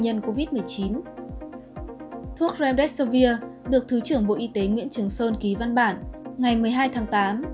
nhân covid một mươi chín thuốc remdesivir được thứ trưởng bộ y tế nguyễn trường sơn ký văn bản ngày một mươi hai tháng